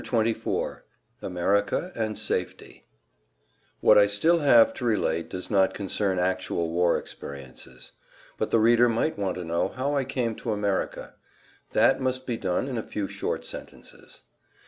[Pg 189] XXIV AMERICA AND SAFETY What I have still to relate does not concern actual war experiences. But the reader might want to know how I came to America. That must be done in a few short sentences.